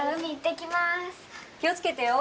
気を付けてよ。